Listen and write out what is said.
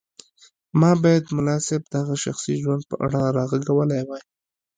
ما بايد ملا صيب د هغه شخصي ژوند په اړه راغږولی وای.